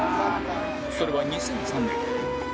それは２００３年